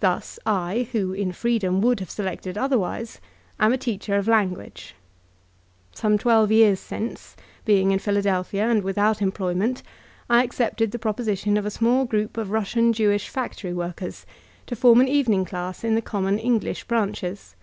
Thus I, who in freedom would have selected otherwise, am a teacher of language. Some twelve years since, being in Philadclphb and without employment, I accepted the proposition of a small group of Russian Jewbh factory workers to form an evening class in the The Making of an Anarchist 159 common English branches.